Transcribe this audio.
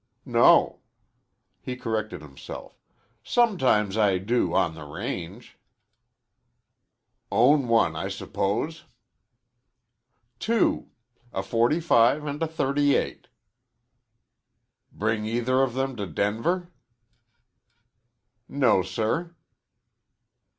"No." He corrected himself. "Sometimes I do on the range." "Own one, I suppose?" "Two. A .45 and a .38." "Bring either of them to Denver?" "No, sir."